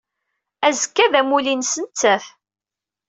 Azekka d amulli-ines nettat.